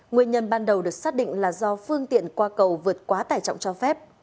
nguyên nhân ban đầu được xác định là do phương tiện qua cầu vượt quá tải trọng cho phép